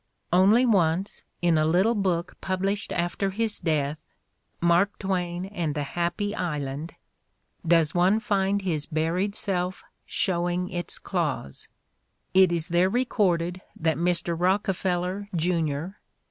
Only once, in a little book published after his death, "Mark Twain and the Happy Island," does one find his buried self showing its claws. It is there recorded that Mr. Rockefeller, Jr.